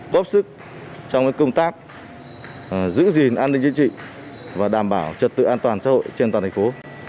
góp sức trong công tác giữ gìn an ninh chính trị và đảm bảo trật tự an toàn xã hội trên toàn thành phố